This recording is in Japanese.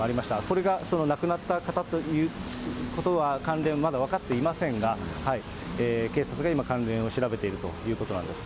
これがその亡くなった方ということは、関連、まだ分かっていませんが、警察が今、関連を調べているということなんです。